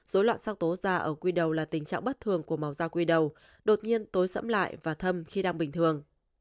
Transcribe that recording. dối loạn sắc tố da ở quy đầu là tình trạng bất thường của màu da quy đầu đột nhiên tối sẫm lại và thâm khi đang bình thường